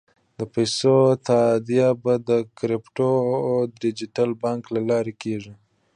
د پیسو تادیه به د کریپټو او ډیجیټل بانک له لارې کېږي.